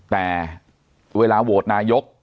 แต่เวลาโหวตนายก